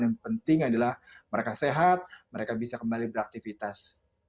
yang penting adalah mereka sehat mereka bisa kembali beraktivitas